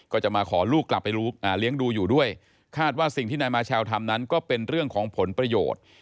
ก็จะมาขอลูกกลับไปเลี้ยงดูอยู่ด้วยคาดว่าสิ่งที่นายมาเชลทำนั้นก็เป็นเรื่องของผลประโยชน์